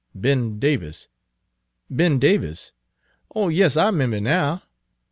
"Ben Davis Ben Davis? oh yes, I 'member now.